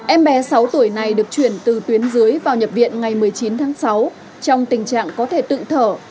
em bé sáu tuổi này được chuyển từ tuyến dưới vào nhập viện ngày một mươi chín tháng sáu trong tình trạng có thể tự thở